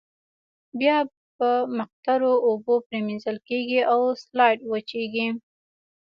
بیا په مقطرو اوبو پریمنځل کیږي او سلایډ وچیږي.